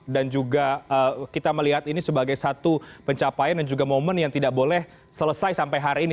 dan juga kita melihat ini sebagai satu pencapaian dan juga momen yang tidak boleh selesai sampai hari ini